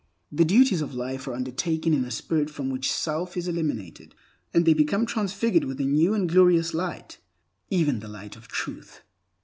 The duties of life are undertaken in a spirit from which self is eliminated, and they become transfigured with a new and glorious light, even the light of Truth.